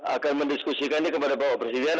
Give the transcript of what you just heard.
akan mendiskusikan ini kepada bapak presiden